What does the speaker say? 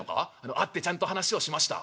「会ってちゃんと話をしました」。